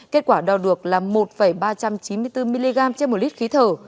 kết quả đo được là một ba trăm chín mươi bốn mg trên một lít khí thở